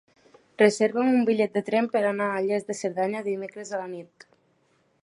Reserva'm un bitllet de tren per anar a Lles de Cerdanya dimecres a la nit.